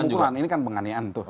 yang pemukulan ini kan penganihan tuh